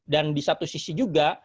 dan di satu sisi juga